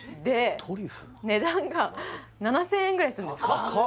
値段が７０００円ぐらいするんです高っ！